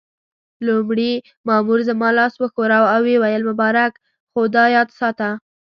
لومړي مامور زما لاس وښوراوه او ويې ویل: مبارک، خو دا یاد ساته.